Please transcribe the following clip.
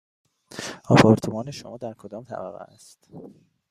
آپارتمان شما در کدام طبقه است؟